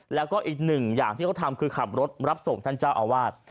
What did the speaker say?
แล้วก็อีกหนึ่งอย่างที่เขาทำคือขับรถรับส่งท่านเจ้าอาวาส